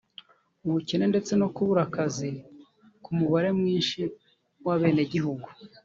ubukene ndetse no kubura akazi ku mubare mwinshi w’abenegihugu